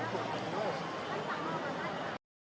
ให้เหลือ๕๐๐๐บาท